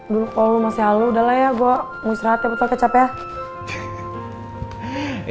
dulu kalo lo masih halus udahlah ya gue mau istirahat ya betul betul capek ya